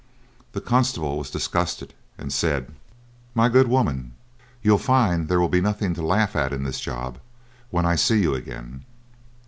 The constable was disgusted, and said: "My good woman, you'll find there will be nothing to laugh at in this job, when I see you again."